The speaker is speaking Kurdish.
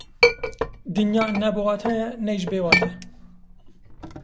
Dinya ne biwate ye, ne jî bêwate.